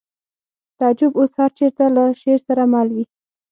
تعجب اوس هر چېرته له شعر سره مل وي